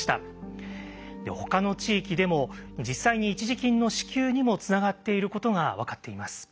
ほかの地域でも実際に一時金の支給にもつながっていることが分かっています。